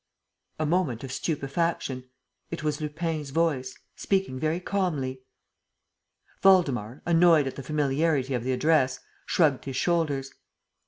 A moment of stupefaction. It was Lupin's voice, speaking very calmly. Waldemar, annoyed at the familiarity of the address, shrugged his shoulders.